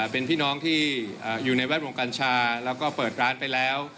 เป็นพี่น้องที่อยู่ในแวดวงกัญชาแล้วก็เปิดร้านไปแล้ว